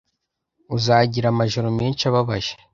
uzagira amajoro menshi ababaje